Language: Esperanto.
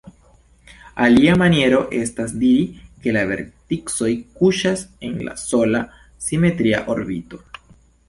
Aliaj maniero estas diri ke la verticoj kuŝas en la sola "simetria orbito".